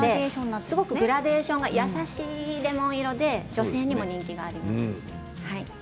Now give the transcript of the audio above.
すごくグラデーションが優しいレモン色で女性にも人気です。